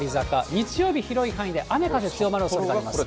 日曜日、広い範囲で雨風強まるおそれがあります。